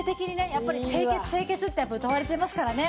やっぱり清潔清潔ってうたわれてますからね。